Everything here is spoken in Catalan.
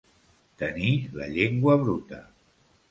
Tenir la llengua bruta.